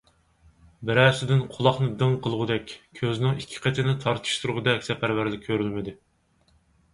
بىرەسىدىن قۇلاقنى دىڭ قىلغۇدەك، كۆزنىڭ ئىككى قېتىنى تارتىشتۇرغىدەك سەپەرۋەرلىك كۆرۈلمىدى.